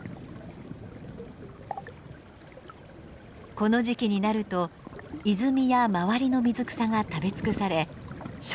この時期になると泉や周りの水草が食べ尽くされ食料不足に陥ります。